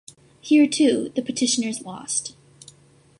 Here too, the petitioners lost.